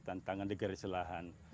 tantangan degeri silahan